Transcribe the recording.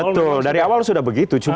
betul dari awal sudah begitu